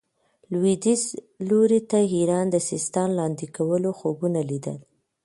لوېدیځ لوري ته ایران د سیستان لاندې کولو خوبونه لیدل.